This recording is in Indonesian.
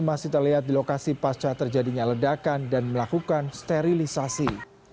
masih terlihat di lokasi pasca terjadinya ledakan dan melakukan sterilisasi